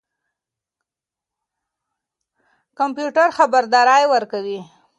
کمپيوټر خبردارى ورکوي.